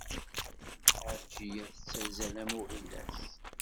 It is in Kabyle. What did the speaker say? Ɛelǧiya tettazzal am uɣilas.